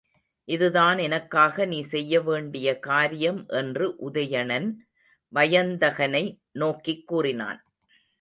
இதுதான் எனக்காக நீ செய்ய வேண்டிய காரியம் என்று உதயணன், வயந்தகனை நோக்கிக் கூறினான்.